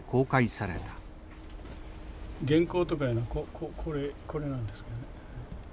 原稿とかいうのはこれなんですけど。